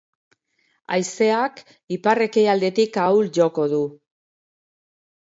Haizeak ipar-ekialdetik ahul joko du.